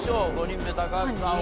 ５人目高橋さん